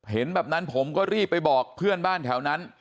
แบบนั้นผมก็รีบไปบอกเพื่อนบ้านแถวนั้น